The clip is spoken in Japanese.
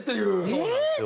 そうなんですよ。